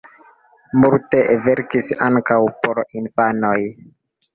Multe verkis ankaŭ por infanoj.